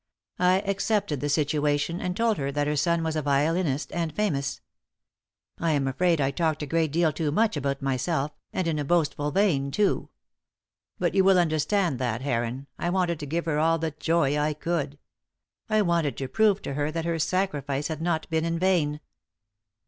I accepted the situation, and told her that her son was a violinist and famous. I am afraid I talked a great deal too much about myself, and in a boastful vein too. But you will understand that, Heron. I wanted to give her all the joy I could. I wanted to prove to her that her sacrifice had not been in vain."